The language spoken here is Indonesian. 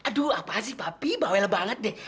aduh apa sih papi bawel banget deh